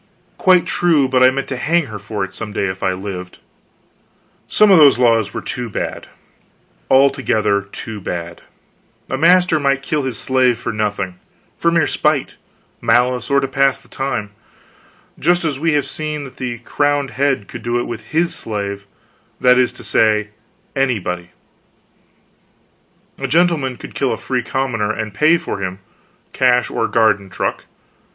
Quite true, but I meant to hang her for it some day if I lived. Some of those laws were too bad, altogether too bad. A master might kill his slave for nothing for mere spite, malice, or to pass the time just as we have seen that the crowned head could do it with his slave, that is to say, anybody. A gentleman could kill a free commoner, and pay for him cash or garden truck.